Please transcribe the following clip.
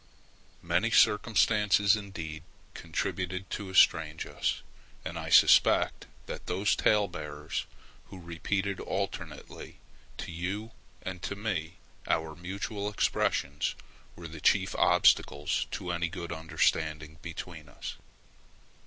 Many circumstances, indeed, contributed to estrange us, and I suspect that those tale bearers who repeated alternately to you and to me our mutual expressions were the chief obstacles to any good understanding between us.